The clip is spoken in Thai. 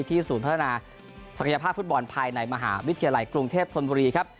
ศูนย์พัฒนาศักยภาพฟุตบอลภายในมหาวิทยาลัยกรุงเทพธนบุรีครับ